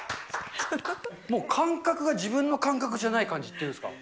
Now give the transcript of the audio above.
もう感覚が、自分の感覚じゃない感じっていうんですか。